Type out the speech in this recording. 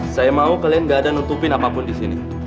saya mau kalian gak ada nutupin apapun di sini